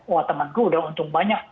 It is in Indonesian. wah temanku udah untung banyak